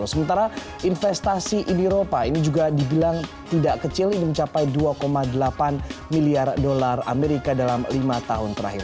sementara investasi uni eropa ini juga dibilang tidak kecil ini mencapai dua delapan miliar dolar amerika dalam lima tahun terakhir